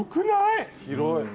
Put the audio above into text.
広い。